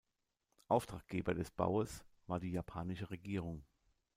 Auftraggeber des Baues war die japanische Regierung.